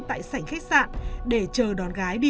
tại sảnh khách sạn để chờ đón gái